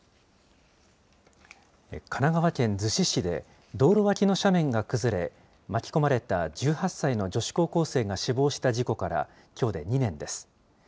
神奈川県逗子市で道路脇の斜面が崩れ、巻き込まれた１８歳の女子高校生が死亡した事故からきょうで２年です。